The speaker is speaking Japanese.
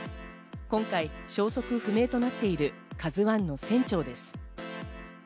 今回、消息不明となっている「ＫＡＺＵ１」の船長です。